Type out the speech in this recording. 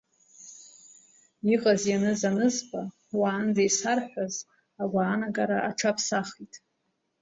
Иҟаз-ианыз анызба, уаанӡа исарҳәоз агәаанагара аҽаԥсахит.